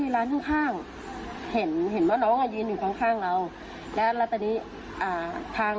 แล้วตอนนี้มีพี่ร้านข้าง